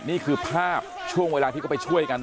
นี่คือภาพช่วงเวลาที่เขาไปช่วยกัน